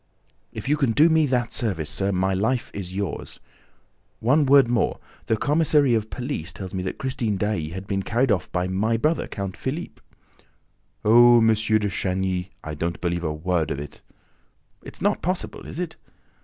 "If you can do me that service, sir, my life is yours! ... One word more: the commissary of police tells me that Christine Daae has been carried off by my brother, Count Philippe." "Oh, M. de Chagny, I don't believe a word of it." "It's not possible, is it?"